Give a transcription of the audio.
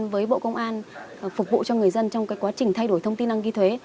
với bộ công an phục vụ cho người dân trong quá trình thay đổi thông tin năng ký thuế